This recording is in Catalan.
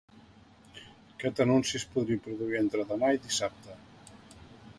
Aquest anunci es podria produir entre demà i dissabte.